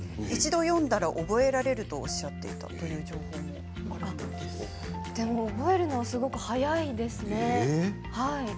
一度読んだら覚えられるとおっしゃっていたという情報もでも覚えるのは早いですね。